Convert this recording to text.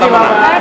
terima kasih pak